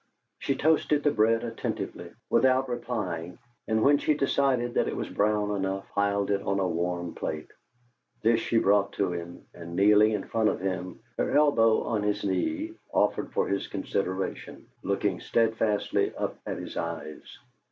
She toasted the bread attentively without replying, and when she decided that it was brown enough, piled it on a warm plate. This she brought to him, and kneeling in front of him, her elbow on his knee, offered for his consideration, looking steadfastly up at his eyes.